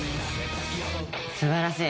素晴らしい！